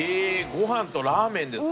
ご飯とラーメンですか。